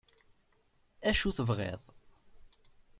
Acu tebɣiḍ?